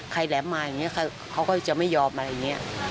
แหลมมาอย่างนี้เขาก็จะไม่ยอมอะไรอย่างนี้